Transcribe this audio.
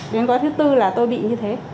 những gói thứ bốn là tôi bị như thế